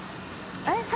えっ！